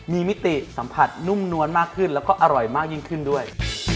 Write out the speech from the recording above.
มีมิติสัมผัสนุ่มนวลมากขึ้นแล้วก็อร่อยมากยิ่งขึ้นด้วย